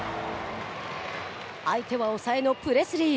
相手は抑えのプレスリー。